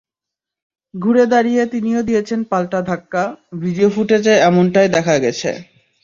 ঘুরে দাঁড়িয়ে তিনিও দিয়েছেন পাল্টা ধাক্কা, ভিডিও ফুটেজে এমনটাই দেখা গেছে।